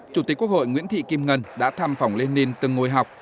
chủ tịch quốc hội nguyễn thị kim ngân đã thăm phòng lenin từng ngồi học